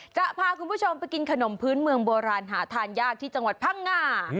จะพาคุณผู้ชมไปกินขนมพื้นเมืองโบราณหาทานยากที่จังหวัดพังงา